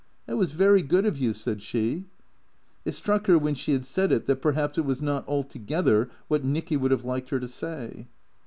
" That was very good of you," said she. It struck her when she liad said it that perhaps it was not altogether what Nicky would have liked her to say.